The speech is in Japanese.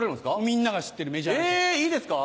みんなが知ってるメジャーな曲。えいいですか？